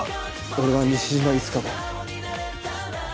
俺は西島いつかの。